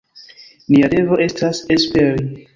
Nia devo estas esperi.